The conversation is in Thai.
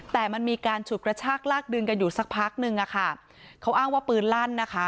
แต่มันมีการฉุดกระชากลากดึงกันอยู่สักพักนึงอะค่ะเขาอ้างว่าปืนลั่นนะคะ